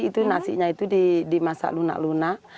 itu nasinya itu dimasak lunak lunak